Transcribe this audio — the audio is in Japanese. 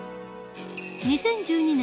２０１２年